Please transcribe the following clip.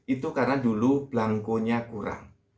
itu karena dulu belangkonya kurang